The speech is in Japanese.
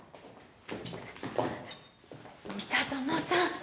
三田園さん